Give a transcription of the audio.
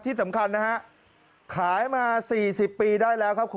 ที่สำคัญขายมา๔๐ปีได้แล้วครับ